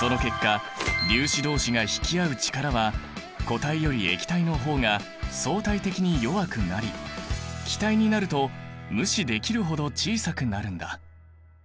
その結果粒子どうしが引き合う力は固体より液体の方が相対的に弱くなり気体になると無視できるほど小さくなるんだ。